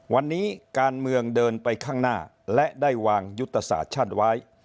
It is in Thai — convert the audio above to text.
วันนี้การเมืองเดินไปข้างหน้าและได้วางยุทธศาสตร์ชาติไว้